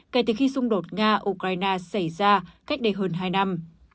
kể từ khi xung đột nga ukraine xảy ra cách đây hơn hai năm